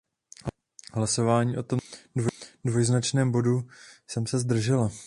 Hlasování o tomto dvojznačném bodu jsem se zdržela.